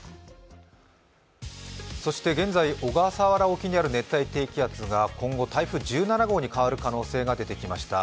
そして現在、小笠原沖にある熱帯低気圧が今後、台風１７号に変わる可能性が出てきました。